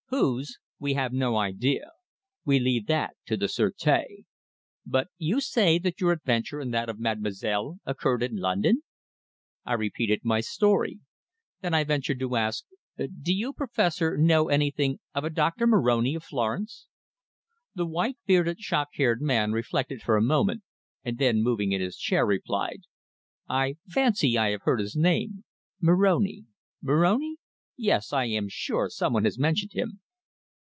Whose, we have no idea. We leave that to the Sûreté. But you say that your adventure and that of mademoiselle occurred in London?" I repeated my story. Then I ventured to ask: "Do you, Professor, know anything of a Doctor Moroni, of Florence?" The white bearded, shock haired man reflected for a moment, and then moving in his chair, replied: "I fancy I have heard his name. Moroni Moroni? Yes, I am sure someone has mentioned him."